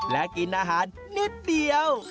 และกินอาหารนิดเดียว